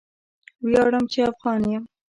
ویاړم چې افغان یم.